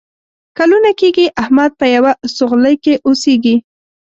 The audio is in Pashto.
کلونه کېږي احمد په یوه سوغلۍ کې اوسېږي.